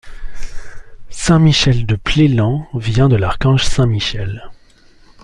Saint-Michel-de-Plélan vient de l'archange Saint-Michel.